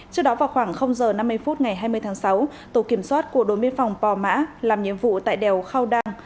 trước đó vào khoảng h năm mươi phút ngày hai mươi tháng sáu tổ kiểm soát của đội biên phòng pò mã làm nhiệm vụ tại đèo khao đang